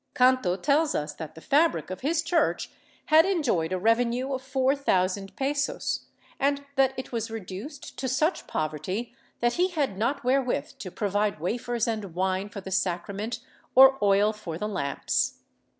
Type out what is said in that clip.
Canto tells us that the fabric of his church had enjoyed a revenue of four thousand pesos, and that it was reduced to such poverty that he had not wherewith to provide wafers and wine for the sacra ment, or oil for the lamps.